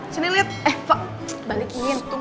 sini liat eh balikin